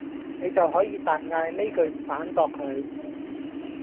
你就可以大嗌呢句反駁佢